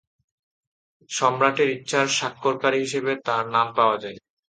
সম্রাটের ইচ্ছার স্বাক্ষরকারী হিসেবে তার নাম পাওয়া যায়।